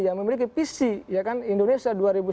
yang memiliki visi indonesia